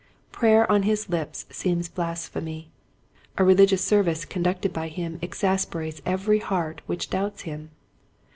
Prayer on his lips seems blasphemy. A religious service conducted by him exasperates every heart which doubts him.